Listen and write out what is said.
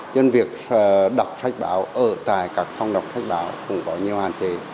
nhân việc đọc sách báo ở tại các phòng đọc sách báo cũng có nhiều hạn chế